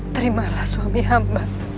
terimalah suami amba